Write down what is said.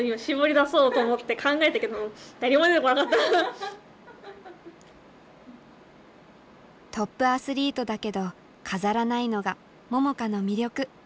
ちょっと今トップアスリートだけど飾らないのが桃佳の魅力。